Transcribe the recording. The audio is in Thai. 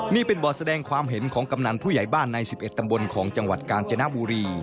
นี่เป็นบ่อแสดงความเห็นของกำนันผู้ใหญ่บ้านใน๑๑ตำบลของจังหวัดกาญจนบุรี